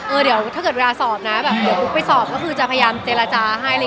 เดี๋ยวถ้าเกิดเวลาสอบนะแบบเดี๋ยวไปสอบก็คือจะพยายามเจรจาให้